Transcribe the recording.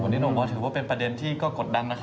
วันนี้หนุ่มมอสถือว่าเป็นประเด็นที่ก็กดดันนะคะ